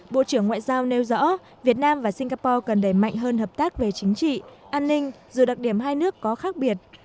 bộ trưởng ngoại giao nêu rõ việt nam và singapore cần đẩy mạnh hơn hợp tác về chính trị an ninh dù đặc điểm hai nước có khác biệt